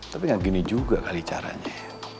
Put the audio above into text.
tapi nggak gini juga kali caranya